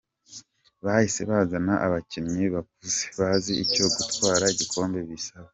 Bahise bazana abakinnyi bakuze, bazi icyo gutwara igikombe bisaba.